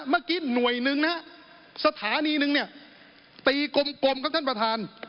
หน่วยหนึ่งนะฮะสถานีหนึ่งเนี่ยตีกลมครับท่านประธาน